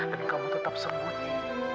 dan kamu tetap sembunyi